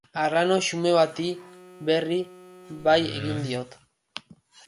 Arrano xume bati, berri, bai egin diot.